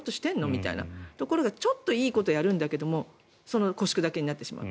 みたいなところがちょっといいことしてるんだけど腰砕けになってしまう。